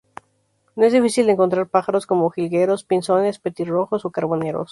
No es difícil encontrar pájaros como jilgueros, pinzones, petirrojos o carboneros.